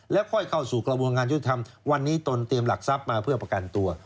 แล้วค่อยเข้าสู่กระบวนการยุติธรรมวันนี้ตนเตรียมหลักทรัพย์มาเพื่อประกันตัว